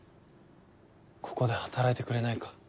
ここで働いてくれないか？